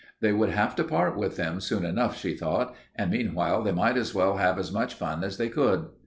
They would have to part with them soon enough, she thought, and meanwhile they might as well have as much fun as they could.